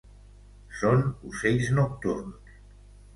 Són ocells nocturns.